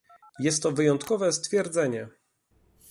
Jest to wyjątkowe stwierdzenie